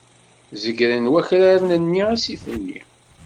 Zegren wakraren-nni asif-nni.